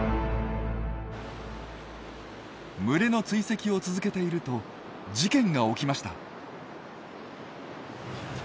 群れの追跡を続けていると事件が起きました。